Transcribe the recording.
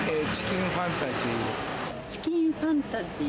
チキンファンタジー。